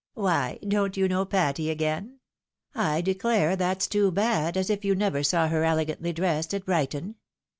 " Why, don't you know Patty again ? I declare that's too bad, as if you never saw her elegantly dressed at Brighton."